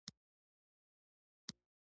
هغه تر دوه زره دولس کال پورې پر مصر حکومت وکړ.